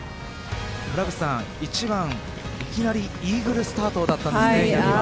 村口さん、１番いきなりイーグルスタートだったんですよね。